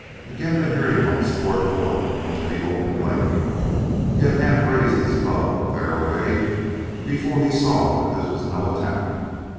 Again the hairy ones poured forth into the open glade. He had half raised his bow, with arrow ready, before he saw that this was no attack.